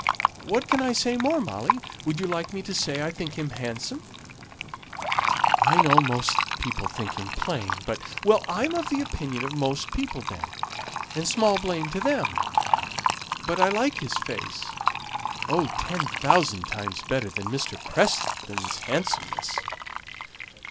What can I say more, Molly? would you like me to say I think him handsome?" "I know most people think him plain, but " "Well, I'm of the opinion of most people then, and small blame to them. But I like his face oh, ten thousand times better than Mr. Preston's handsomeness!"